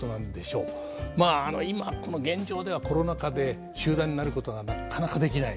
まあ今この現状ではコロナ禍で集団になることがなかなかできない。